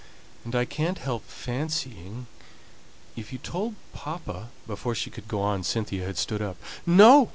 "And I can't help fancying if you told papa " Before she could go on, Cynthia had stood up. "No!"